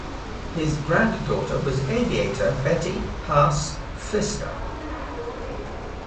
His granddaughter was aviator Betty Haas Pfister.